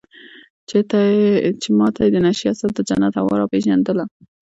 چې ما ته يې د نشې اثر د جنت هوا راپېژندله.